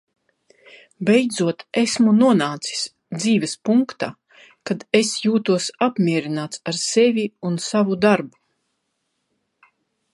Beidzot esmu nonācis dzīves punktā, kad es jūtos apmierināts ar sevi un savu darbu.